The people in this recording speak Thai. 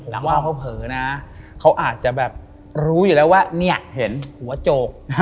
ผมว่าเผลอนะเขาอาจจะแบบรู้อยู่แล้วว่าเนี่ยเห็นหัวโจก